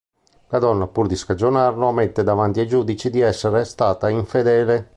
La donna pur di scagionarlo ammette davanti ai giudici di esserle stata infedele.